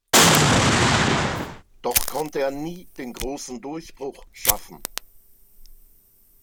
Doch konnte er nie den großen Durchbruch schaffen.